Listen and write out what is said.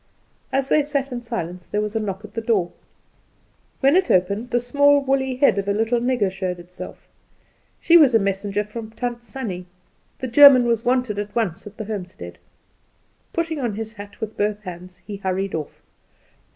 As they sat in silence there was a knock at the door. When it was opened the small woolly head of a little nigger showed itself. She was a messenger from Tant Sannie: the German was wanted at once at the homestead. Putting on his hat with both hands, he hurried off.